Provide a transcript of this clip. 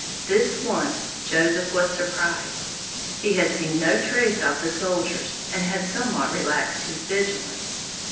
This once Joseph was surprised. He had seen no trace of the soldiers and had somewhat relaxed his vigilance.